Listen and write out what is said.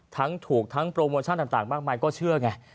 ถูกทั้งโปรโมชั่นต่างมากมายก็เชื่อไง